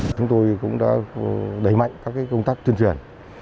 chúng tôi cũng đã đẩy mạnh các công tác tuyên truyền